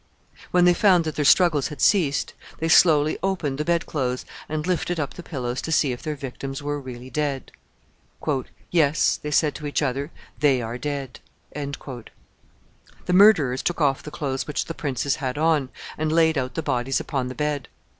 When they found that their struggles had ceased, they slowly opened the bed clothes and lifted up the pillows to see if their victims were really dead. "Yes," said they to each other, "they are dead." The murderers took off the clothes which the princes had on, and laid out the bodies upon the bed.